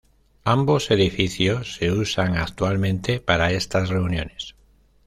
Ambos edificios se usan actualmente para estas reuniones.